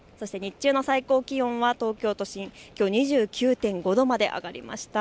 そして日中の最高気温は東京都心２９．５度まで上がりました。